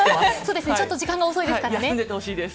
そうですね、ちょっと時間が遅いですからね。